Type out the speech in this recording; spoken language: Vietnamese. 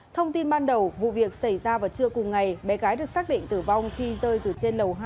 thông tin ban đầu vụ việc xảy ra vào trưa cùng ngày bé gái được xác định tử vong khi rơi từ trên lầu hai